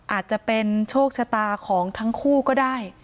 อาจจะเป็นโชคชะตาของทั้งคู่ก็ได้